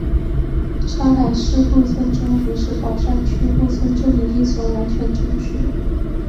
上海市顾村中学是宝山区顾村镇的一所完全中学。